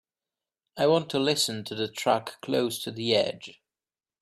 I want to listen to the track Close To The Edge